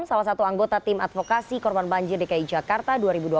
salah satu anggota tim advokasi korban banjir dki jakarta dua ribu dua puluh